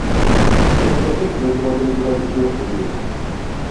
Empafu ziteekebwateekebwa zitya okuliibwa?